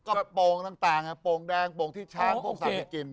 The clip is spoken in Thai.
ก็โปงต่างโปงแดงโปงที่ช้างพวกสาวไม่กิน